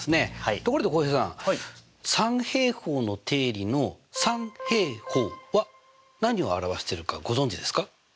ところで浩平さん三平方の定理の「三平方」は何を表してるかご存じですか？